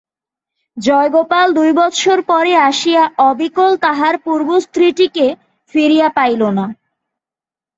জয়গোপাল দুই বৎসর পরে আসিয়া অবিকল তাহার পূর্ব স্ত্রীটিকে ফিরিয়া পাইল না।